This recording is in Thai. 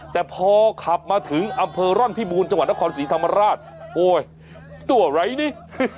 แต่พอขับมาถึงอำเภอร่อนพิบูรณ์จังหวัดนครศรีธรรมราชโอ๊ยตัวอะไรนี่